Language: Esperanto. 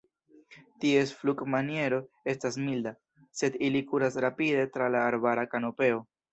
Ties flugmaniero estas milda, sed ili kuras rapide tra la arbara kanopeo.